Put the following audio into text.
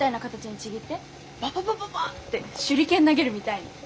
ばばばばばって手裏剣投げるみたいに。